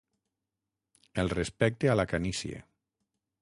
El respecte a la canície.